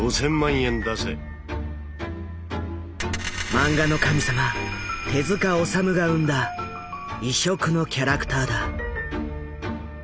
漫画の神様手治虫が生んだ異色のキャラクターだ。